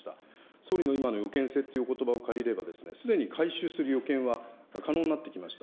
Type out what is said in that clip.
総理の今の予見性というおことばを借りれば、すでに回収する予見は可能になってきました。